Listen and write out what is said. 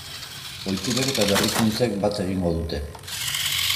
Ohiturek eta berrikuntzek bat egingo dute.